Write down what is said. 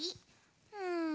うん。